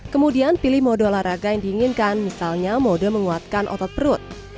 kemudian pilih mode olahraga yang diinginkan misalnya mode menguatkan otot perut